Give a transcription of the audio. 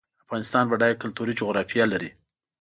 افغانستان بډایه کلتوري جغرافیه لري